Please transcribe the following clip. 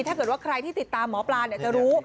ถ้าเกิดว่าใครที่ติดตามหมอปลาจะรู้